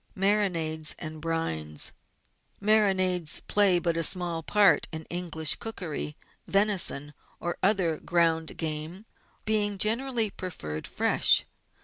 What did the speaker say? Marinades and Brines. Marinades play but a small part in English cookery, venison or other ground game being generally preferred fresh.